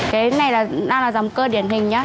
cái này đang là dòng cơ điển hình nhé